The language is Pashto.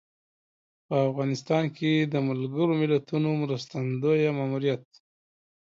په افغانستان کې د ملګر ملتونو مرستندویه ماموریت